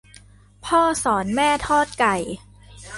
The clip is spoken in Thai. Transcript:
พ่อสอนแม่ทอดไก่